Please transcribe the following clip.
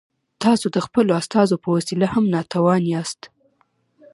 تاسو د خپلو استازو په وسیله هم ناتوان یاست.